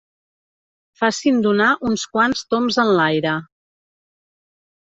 Facin donar uns quants tombs enlaire.